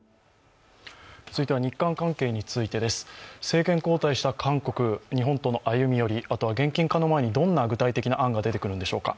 続いては、日韓関係についてです政権交代した韓国、日本との歩み寄り、あとは現金化の前にどんな具体的な案が出てくるのでしょうか。